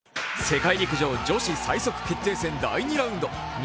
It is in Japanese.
世界陸上女子最速決定戦第２ラウンド。